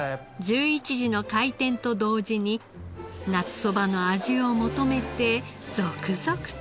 １１時の開店と同時に夏そばの味を求めて続々と客がやって来ます。